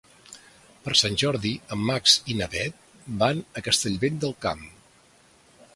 Per Sant Jordi en Max i na Bet van a Castellvell del Camp.